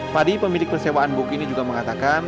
padi pemilik persewaan buku ini juga mengatakan